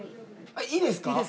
いいですか。